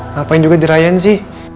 ngapain juga dirayain sih